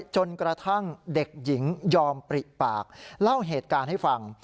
จนกระทั่งเด็กหญิงยอมปริปากเล่าเหตุการณ์ให้ฟัง